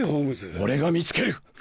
俺が見つける！